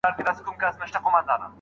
د ملغلري یو آب دی چي ولاړ سي.